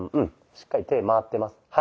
しっかり手回ってます。